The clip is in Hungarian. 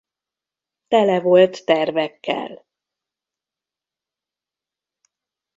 Tele volt tervekkel.